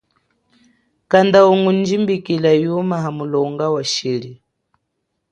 Kanda ungu jimbikila yuma hamulonga wa shili.